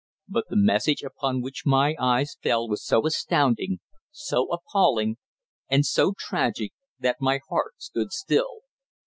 But the message upon which my eyes fell was so astounding, so appalling, and so tragic that my heart stood still.